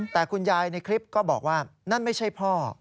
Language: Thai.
แต่คุณยายในคลิปก็บอกว่านั่นไม่ใช่พ่อ